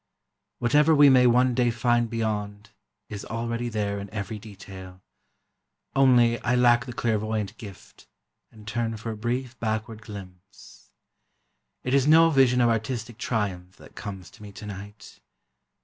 Whatever we may one day find beyond, is already there in every detail—only, I lack the clairvoyant gift, and turn for a brief backward glimpse. It is no vision of artistic triumph that comes to me tonight